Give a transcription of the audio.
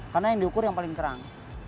karena ini ukur yang paling terang